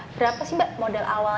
berapa sih mbak modal awal